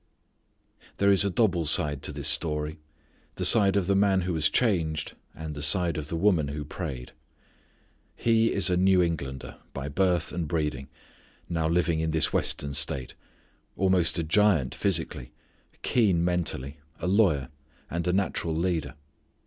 There is a double side to this story. The side of the man who was changed, and the side of the woman who prayed. He is a New Englander, by birth and breeding, now living in this western state: almost a giant physically, keen mentally, a lawyer, and a natural leader.